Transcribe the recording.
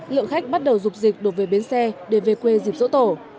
lượng khách bắt đầu rụp dịch đột về bến xe để về quê dịp dỗ tổ